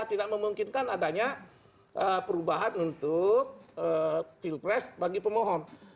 tidak memungkinkan adanya perubahan untuk field press bagi pemohon